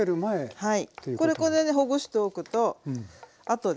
はい。